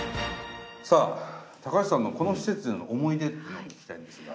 さあ高橋さんのこの施設での思い出っていうのを聞きたいんですが。